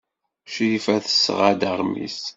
Crifa tesɣa-d aɣmis.